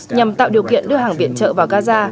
nhằm tạo điều kiện đưa hàng viện trợ vào gaza